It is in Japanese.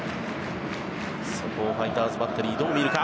そこをファイターズバッテリーどう見るか。